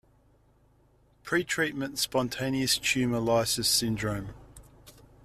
Pretreatment spontaneous tumor lysis syndrome.